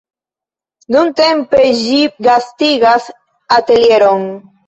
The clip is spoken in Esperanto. Nuntempe ĝi gastigas atelieron.